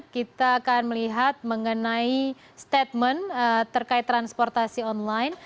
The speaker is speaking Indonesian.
kita akan melihat mengenai statement terkait transportasi online